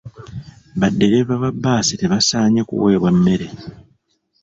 Baddereeva ba bbaasi tebasaanye kuweebwa mmere.